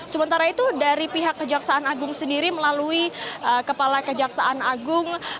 sementara itu dari pihak kejaksaan agung sendiri melalui kepala kejaksaan agung